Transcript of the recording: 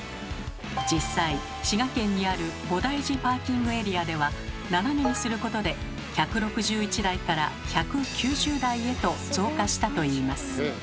実際滋賀県にある菩提寺パーキングエリアでは斜めにすることで１６１台から１９０台へと増加したといいます。